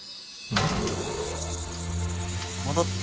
戻った。